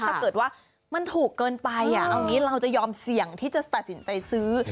ถ้าเกิดว่ามันถูกเกินไปเอาอย่างนี้เราจะยอมเสี่ยงที่จะตัดสินใจซื้อ